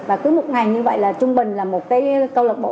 và cứ một ngày như vậy là trung bình là một cái công lập bộ